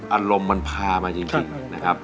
อารมณ์มันพามาจริงนะครับ